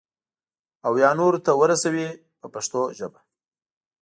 او یا نورو ته ورسوي په پښتو ژبه.